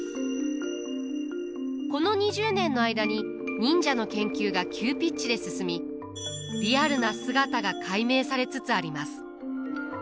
この２０年の間に忍者の研究が急ピッチで進みリアルな姿が解明されつつあります。